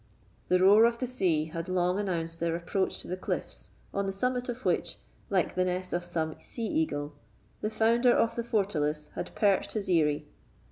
The roar of the sea had long announced their approach to the cliffs, on the summit of which, like the nest of some sea eagle, the founder of the fortalice had perched his eyrie.